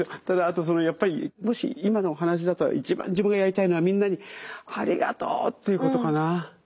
ただあとやっぱりもし今のお話だと一番自分がやりたいのはみんなに「ありがとう！」って言うことかな。